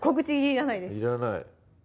いらない